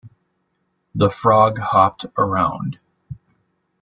The frog hopped around.